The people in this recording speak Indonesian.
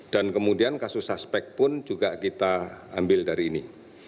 dan kemudian kasus suspek pun juga kita ambil dari ini